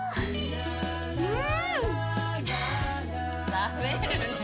食べるねぇ。